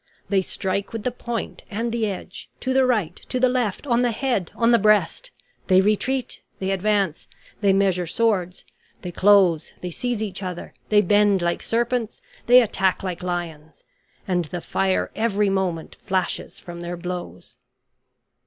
They strike with the point and the edge; to the right, to the left, on the head, on the breast; they retreat; they advance; they measure swords; they close; they seize each other; they bend like serpents; they attack like lions; and the fire every moment flashes from their blows.